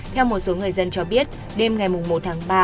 theo một số người dân cho biết đêm ngày một tháng ba